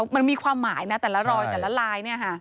มันมีความหมายนะแต่ละรอยแต่ละลายเนี่ยค่ะ